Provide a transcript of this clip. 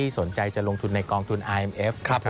สนใจลงทุนนะครับ